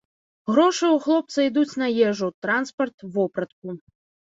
Грошы ў хлопца ідуць на ежу, транспарт, вопратку.